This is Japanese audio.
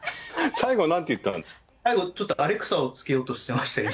最後ちょっと、アレクサをつけようとしてましたね。